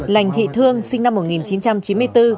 lành thị thương sinh năm một nghìn chín trăm chín mươi bốn